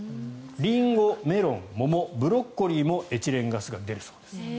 リンゴ、メロン桃、ブロッコリーもエチレンガスが出るそうです。